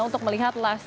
untuk melihat laser